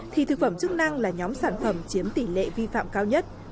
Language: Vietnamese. thì thực phẩm chức năng là nhóm sản phẩm chiếm tỷ lệ vi phạm cao nhất